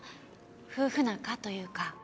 夫婦仲というか。